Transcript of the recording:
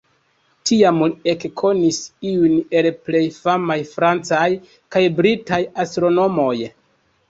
Tiam li ekkonis iujn el plej famaj francaj kaj britaj astronomoj.